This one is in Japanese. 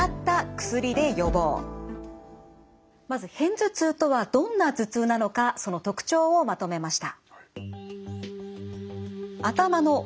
まず片頭痛とはどんな頭痛なのかその特徴をまとめました。